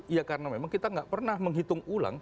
ya karena memang kita nggak pernah menghitung ulang